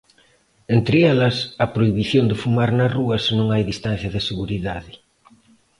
Entre elas, a prohibición de fumar na rúa se non hai distancia de seguridade.